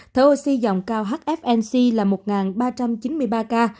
thở oxy dòng cao hfnc là một ba trăm chín mươi ba ca